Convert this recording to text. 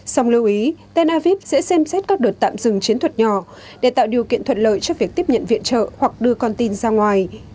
song lưu ý tel aviv sẽ xem xét các đợt tạm dừng chiến thuật nhỏ để tạo điều kiện thuận lợi cho việc tiếp nhận viện trợ hoặc đưa con tin ra ngoài